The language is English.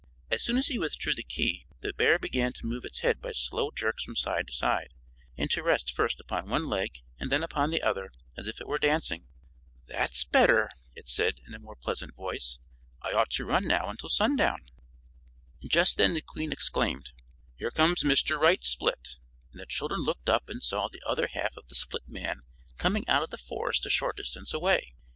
As soon as he withdrew the key the bear began to move its head by slow jerks from side to side, and to rest first upon one leg and then upon the other, as if it were dancing. "That's better," it said, in a more pleasant voice; "I ought to run now until sundown." Just then the Queen exclaimed: "Here comes Mr. Right Split," and the children looked up and saw the other half of the split man coming out of the forest a short distance away.